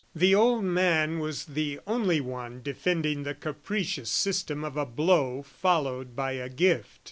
The old man was the only one defending the capricious system of a blow followed by a gift.